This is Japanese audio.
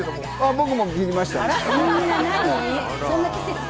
僕も切りました。